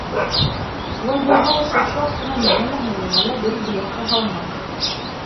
Шулай булһа ла шыршы аҫтына миңә лә, һеңлемә лә бер бүләк тә һалма!